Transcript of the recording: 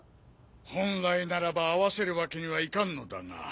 本来ならば会わせるわけにはいかんのだが。